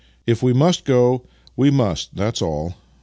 " If we must go, we must, that's all."